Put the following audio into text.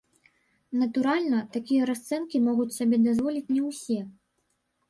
Натуральна, такія расцэнкі могуць сабе дазволіць не ўсе.